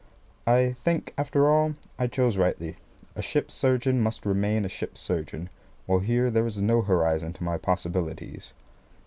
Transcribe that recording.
I think after all I chose rightly. A ship's surgeon must remain a ship's surgeon, while here there is no horizon to my possibilities.